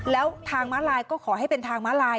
แล้วทางม้าลายก็ขอให้เป็นทางม้าลาย